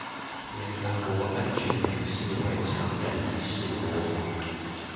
聯合國安全理事會常任理事國